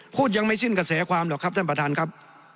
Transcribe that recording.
พูดยังไม่สิ้นกระแสความหรอกครับท่านประธานครับ